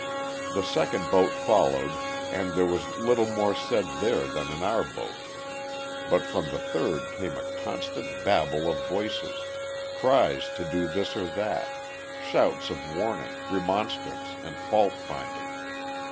The second boat followed, and there was little more said there than in our boat; but from the third came a constant babble of voices, cries to do this or that, shouts of warning, remonstrance, and fault finding.